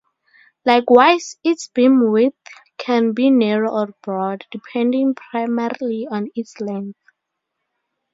Likewise, its beamwidth can be narrow or broad, depending primarily on its length.